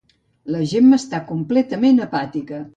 La Jemma està completament apàtica.